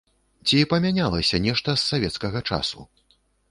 Ці памянялася нешта з савецкага часу?